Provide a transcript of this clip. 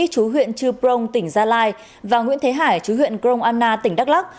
chú huyện chư prong tỉnh gia lai và nguyễn thế hải chú huyện krong anna tỉnh đắk lắc